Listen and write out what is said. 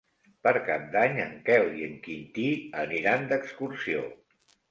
Per Cap d'Any en Quel i en Quintí aniran d'excursió.